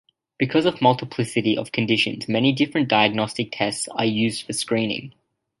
Because of the multiplicity of conditions, many different diagnostic tests are used for screening.